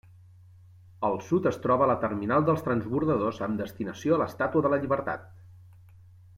Al sud es troba la terminal dels transbordadors amb destinació a l'estàtua de la Llibertat.